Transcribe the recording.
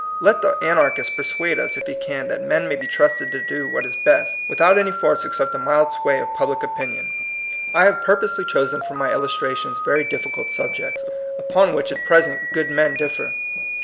Let the anarchist persuade us, if he can, that men may be trusted to do what is best, without any force except the mild sway of public opinion. I have purposely chosen for my illustra tions very difficult subjects, upon which at present good men differ.